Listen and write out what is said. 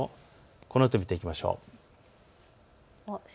このあと見ていきましょう。